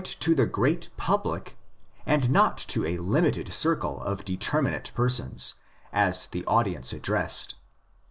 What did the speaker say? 106 THE EPISTLE TO THE ROMANS and not to a limited circle of determinate persons, as the audience addressed.